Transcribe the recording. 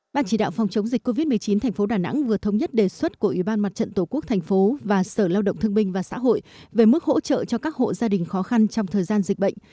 ban chỉ đạo phòng chống dịch covid một mươi chín tp đà nẵng vừa thống nhất đề xuất của ủy ban mặt trận tổ quốc thành phố và sở lao động thương binh và xã hội về mức hỗ trợ cho các hộ gia đình khó khăn trong thời gian dịch bệnh